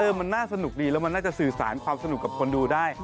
นะมันน่าสนุกดีซื้อสารในความสนุกกับคนดูได้